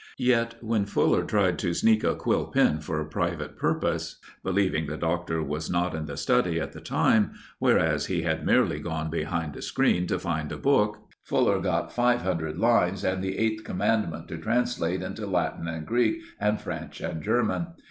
Yet, when Fuller tried to sneak a quill pen for a private purpose, believing the Doctor was not in the study at the time, whereas he had merely gone behind a screen to find a book, Fuller got five hundred lines and the eighth Commandment to translate into Latin and Greek, and French and German.